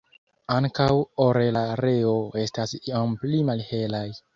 Ankaŭ orelareo estas iom pli malhelaj.